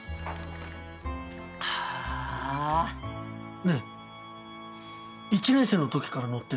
ねぇ１年生の時から載ってる。